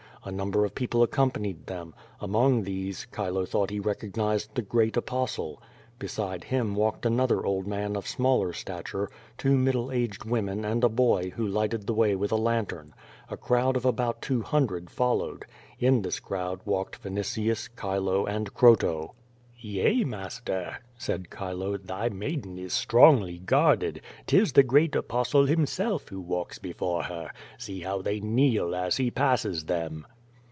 A number of ])eople aceom])anied them. Among these, Chilo thought he recognised the great Apostle. Beside him walked another old man of smaller stature, two middle jigeil women and a boy who lighted the way with a lantern. A crowd of about two hundred followed. In this crowd walked Vinitius, C'hilo and Croto. "Yea, master," said diilo, "thy maiden is strongly guarded. *Tis the great Apostle himself who walks before her. See how tliey kneel as he passes them."